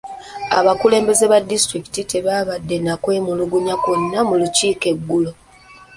Abakulembeze ba diisitulikiti tebaabadde na kwemulugunya kwonna mu lukiiko eggulo .